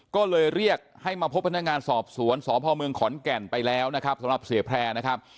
ก็เลยเรียกให้มาพบพนักงานสอบสวนสพเมืองขอนแก่นไปแล้วนะครับสำหรับเสียแพร่นะครับ